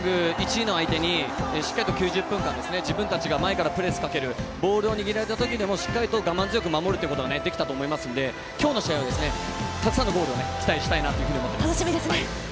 １位の相手にしっかりと９０分間自分たちが前からプレスをかけるボールを握られたときも我慢強く守ることができたと思うので今日の試合、たくさんのゴールを期待したいなと思います。